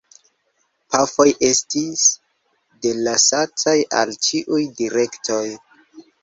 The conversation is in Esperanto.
Pafoj estis delasataj al ĉiuj direktoj.